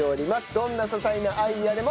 どんな些細なアイデアでも。